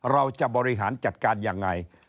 เราจะบริหารจัดการยังไง